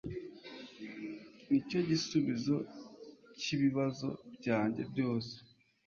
Nicyo gisubizo cyibibazo byanjye byose.